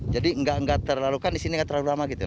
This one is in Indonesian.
jadi tidak terlalu lama